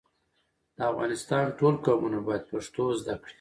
د افغانستان ټول قومونه بايد پښتو زده کړي.